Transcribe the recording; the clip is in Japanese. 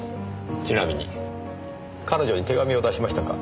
ちなみに彼女に手紙を出しましたか？